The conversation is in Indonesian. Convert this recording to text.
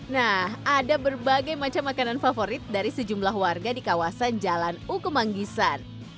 nah ada berbagai macam makanan favorit dari sejumlah warga di kawasan jalan ukemanggisan